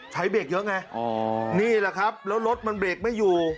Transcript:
เบรกเยอะไงนี่แหละครับแล้วรถมันเบรกไม่อยู่